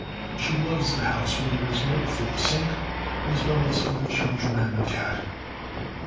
She loves the house where there is milk for the sink as well as for the children and the cat.